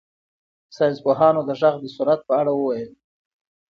ساینس پوهانو د غږ د سرعت په اړه وویل.